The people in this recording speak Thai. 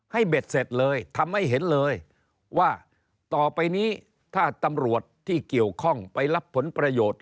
เบ็ดเสร็จเลยทำให้เห็นเลยว่าต่อไปนี้ถ้าตำรวจที่เกี่ยวข้องไปรับผลประโยชน์